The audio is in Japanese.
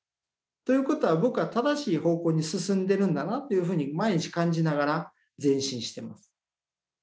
ということは僕は正しい方向に進んでるんだなというふうに毎日感じながら前進してます。